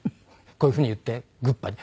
「こういうふうに言ってグッパに」。